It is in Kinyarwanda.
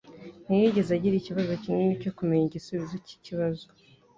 Ntiyigeze agira ikibazo kinini cyo kumenya igisubizo cyikibazo.